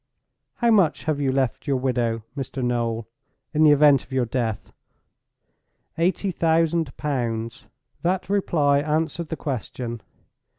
"How much have you left your widow, Mr. Noel, in the event of your death?" "Eighty thousand pounds." That reply answered the question.